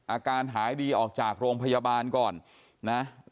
อาการหายดีออกจากโรงพยาบาลก่อนนะ